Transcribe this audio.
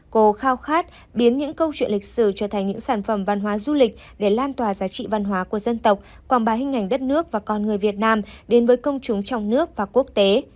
cô khao khát biến những câu chuyện lịch sử trở thành những sản phẩm văn hóa du lịch để lan tỏa giá trị văn hóa của dân tộc quảng bá hình ảnh đất nước và con người việt nam đến với công chúng trong nước và quốc tế